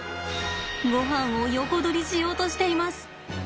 ごはんを横取りしようとしています。